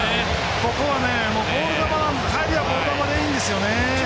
ここは入りはボール球でいいんですよね。